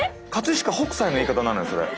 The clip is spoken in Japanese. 飾北斎の言い方なのよそれ。